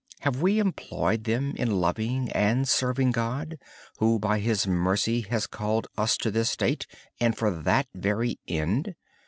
Have we employed them in loving and serving God, who by His mercy has called us to this state and for that very end?